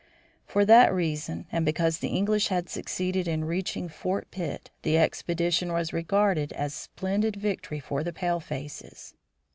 For that reason, and because the English had succeeded in reaching Fort Pitt, the expedition was regarded as a splendid victory for the palefaces.